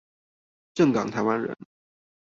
正港台灣人